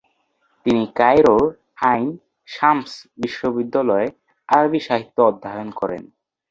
তিনি কায়রোর আইন শামস বিশ্ববিদ্যালয়ে আরবি সাহিত্য অধ্যয়ন করেন।